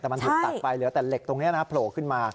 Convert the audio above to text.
แต่มันถูกตัดไปเหลือแต่เหล็กตรงนี้นะโผล่ขึ้นมา